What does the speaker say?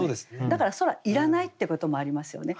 だから空いらないってこともありますよね。